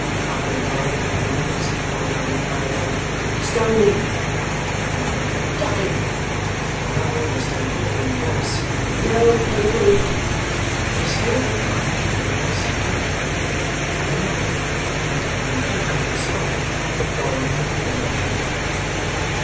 After a lull of a few moments, one man cried out, 'Stone him;' another, 'Duck him;' another, in a stentorian voice, 'No Popery!' This favourite cry the rest re echoed, and the mob, which might have been two hundred strong, joined in a general shout.